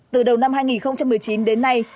từ đầu năm hai nghìn một mươi chín đến nay